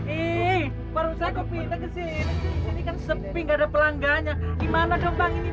eh eh baru saya kopi kopi kesini sini kan sepi enggak ada pelanggan yang gimana dong bang ini